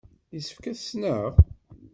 Yessefk ad t-ssneɣ?